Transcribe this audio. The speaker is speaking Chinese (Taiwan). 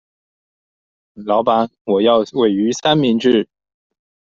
老闆我要鮪魚三明治